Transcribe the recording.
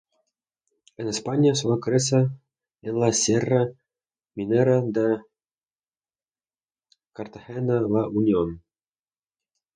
En España sólo crece en la Sierra minera de Cartagena-La Unión.